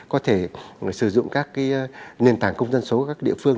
có thể sử dụng các nền tảng công dân số ở các địa phương